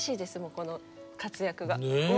この活躍が。